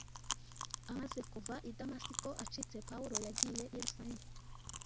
Amaze kuva i Damasiko acitse, Pawulo yagiye i Yerusalemu.